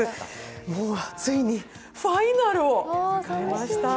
もうついにファイナルを迎えました。